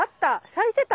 咲いてた。